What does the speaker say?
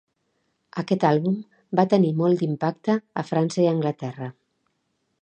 Aquest àlbum va tenir molt d'impacte a França i Anglaterra.